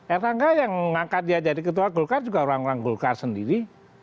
atau enggak yang angkat dia jadi ketua gulkar juga orang orang gulkar sendiri